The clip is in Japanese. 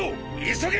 急げ！！